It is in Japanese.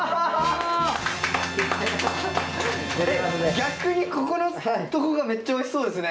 逆にここのとこがめっちゃおいしそうですね！